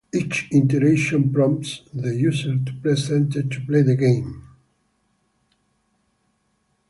Each iteration prompts the user to press enter to play the game.